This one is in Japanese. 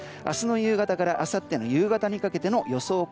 明日の夕方からあさっての夕方にかけての予想